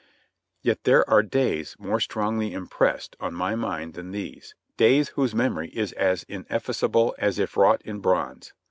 Yet there are days more strongly impressed on my mind than these — days whose memory is as ineffaceable as if wrought in bronze.